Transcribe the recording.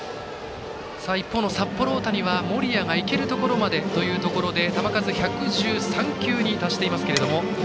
一方の札幌大谷は森谷が行けるところまでというところで球数１１３球に達しています。